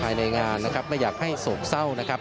และก็มีการกินยาละลายริ่มเลือดแล้วก็ยาละลายขายมันมาเลยตลอดครับ